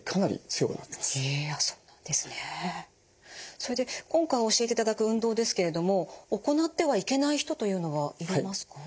それで今回教えていただく運動ですけれども行ってはいけない人というのはいますか？